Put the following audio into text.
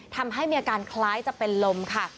ทำให้มีอาการคล้ายจะเป็นลมค่ะ